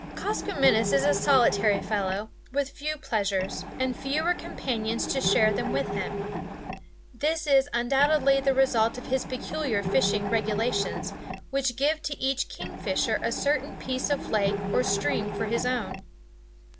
Koskomenos is a solitary fellow, with few pleasures, and fewer companions to share them with him. This is undoubtedly the result of his peculiar fishing regulations, which give to each kingfisher a certain piece of lake or stream for his own.